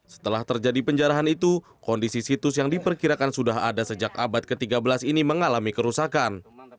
setelah terjadi penjarahan itu kondisi situs yang diperkirakan sudah ada sejak abad ke tiga belas ini mengalami kerusakan